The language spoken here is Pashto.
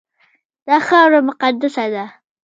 دا خاوره مقدسه ده.